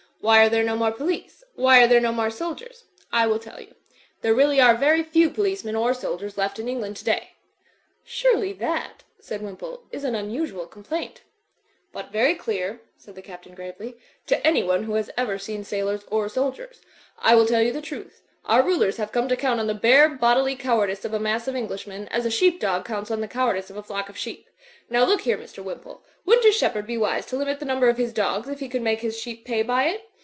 Why are there no more police? Why are there no more sol diers? I will tell you. There really are very few policemen or soldiers left in England today." u,y,uz«u by Google 296 THE FLYING INN "Surely, that/' said Wimpolc, "is an unusual com plaint" "But very dear/' said the Qiptain, gravely, "to any one who has ever seen sailors or soldiers. I will tell you the truth. Our rulers have come to count on the bare bodily cowardice of a mass of Englishmen, as a sheep dog cotmts on the cowardice of a flock of sheep. Now, look here, Mr. Wimpole, wouldn't a shepherd be wise to limit the number of his dogs if he could make his sheep pay by it?